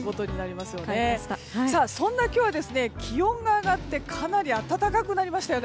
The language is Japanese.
そんな今日は気温が上がってかなり暖かくなりましたよね。